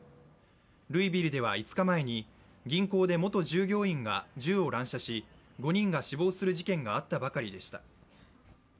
ルイビルでは５日前に銀行で元従業員が銃を乱射し５人が死亡する事件があったばかりでした。